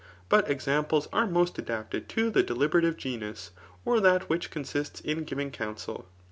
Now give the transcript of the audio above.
But examples are most adapted to the deliberative genus, or that which consists in giving counsel.